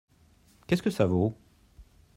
Qu'est-ce que ça vaut ?